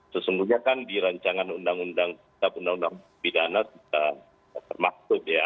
sesungguhnya kan di rancangan undang undang tidak undang undang pidana termasuk ya